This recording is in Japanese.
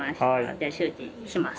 じゃあ周知します。